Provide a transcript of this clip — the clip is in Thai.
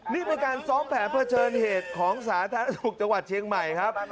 นี่เป็นการซ้อมแผนเผชิญเหตุของสาธารณสุขจังหวัดเชียงใหม่ครับ